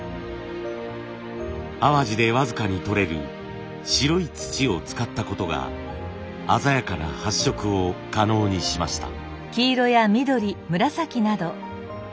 淡路で僅かに採れる白い土を使ったことが鮮やかな発色を可能にしました。